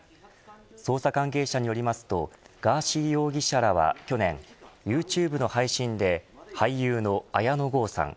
捜査関係者によりますとガーシー容疑者らは去年ユーチューブの配信で俳優の綾野剛さん